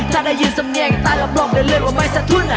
ถ้าได้ยินสำเนียงต้านรับรองเรื่อยว่าไม่ซะทุน